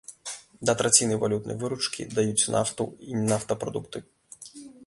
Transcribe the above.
Да траціны валютнай выручкі даюць нафту і нафтапрадукты.